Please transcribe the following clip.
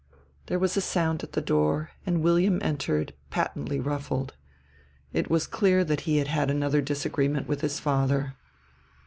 There was a sound at the door, and William entered, patently ruffled. It was clear that he had had another disagreement with his father.